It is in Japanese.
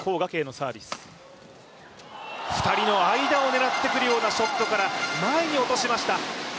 ２人の間を狙ったショットから前に落としました。